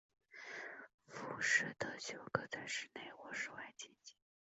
浮士德球可在室内或室外进行。